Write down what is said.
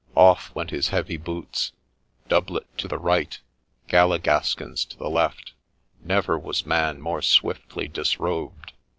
Off went his heavy boots ; doublet to the right, galli gaskins to the left ; never was man more swiftly disrobed.